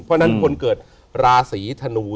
เพราะฉะนั้นคนเกิดราศีธนู